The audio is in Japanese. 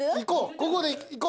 ここでいこう。